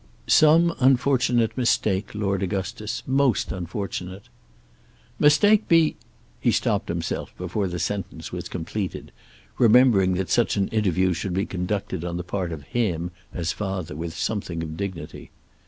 "Some unfortunate mistake, Lord Augustus; most unfortunate." "Mistake be ." He stopped himself before the sentence was completed, remembering that such an interview should be conducted on the part of him, as father, with something of dignity.